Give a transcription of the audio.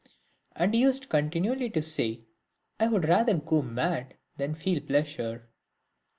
And he used continually to say, " I would rather go mad than feel pleasure."